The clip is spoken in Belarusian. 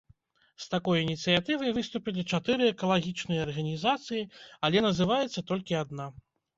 З такой ініцыятывай выступілі чатыры экалагічныя арганізацыі, але называецца толькі адна.